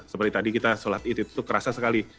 seperti tadi kita sholat itu terasa sekali